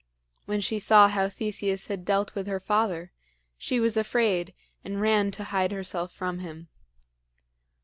When she saw how Theseus had dealt with her father, she was afraid and ran to hide herself from him.